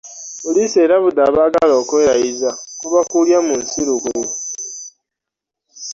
Poliisi erabudde abaagala okwerayiza, kuba kulya mu nsi lukwe